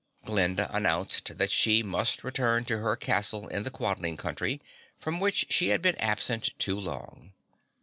Glinda announced that she must return to her Castle in the Quadling Country, from which she had been absent too long.